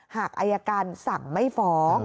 หากอายการสั่งไม่ฟ้อง